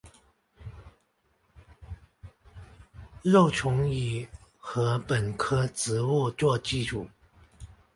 幼虫以禾本科植物作寄主。